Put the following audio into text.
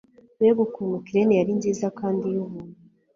bega ukuntu crane yari nziza kandi yubuntu